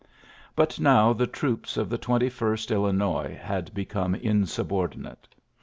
But now the troops of the Twenty first Illi nois had become insubordinate.